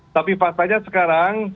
tapi faktanya sekarang